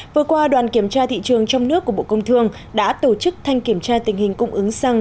vừa qua đoàn kiểm tra thị trường trong nước của bộ công thương đã tổ chức thanh kiểm tra tình hình cung ứng xăng